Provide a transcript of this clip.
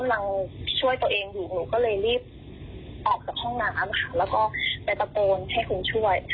เราช่วยตัวเองอยู่หนูก็เลยรีบออกจากห้องน้ำค่ะแล้วก็ไปตะโกนให้คุณช่วย